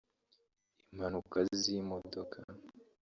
impanuka z’imodoka